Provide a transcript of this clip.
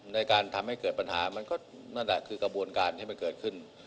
ในการทำให้เกิดปัญหามันก็นั่นแหละคือกระบวนการที่มันเกิดขึ้น